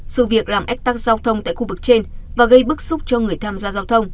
sự việc làm ách tắc giao thông tại khu vực trên và gây bức xúc cho người tham gia giao thông